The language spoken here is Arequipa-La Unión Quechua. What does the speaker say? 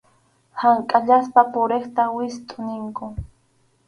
Hank’ayaspa puriqta wistʼu ninkum.